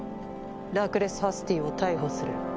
ラクレス・ハスティーを逮捕する。